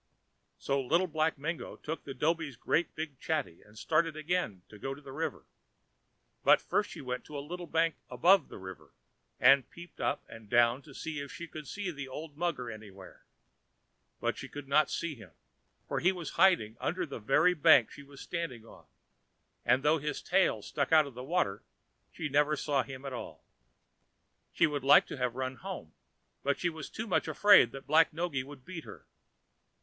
So Little Black Mingo took the dhobi's great big chatty, and started again to go to the river. But first she went to a little bank above the river, and peeped up and down to see if she could see the old mugger anywhere. But she could not see him, for he was hiding under the very bank she was standing on, and, though his tail stuck out a little, she never saw him at all. She would have liked to run home, but she was too much afraid that Black Noggy would beat her.